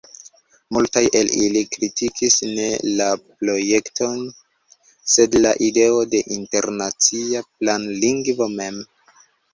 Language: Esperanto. Multaj el ili kritikis ne la projekton, sed la ideon de internacia planlingvo mem.